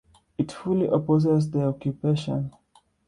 It fully opposes the occupation.